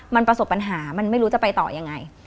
มันประสบปัญหามันไม่รู้จะไปต่อยังไง